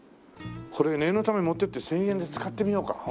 これ念のため持っていって１０００円で使ってみようか？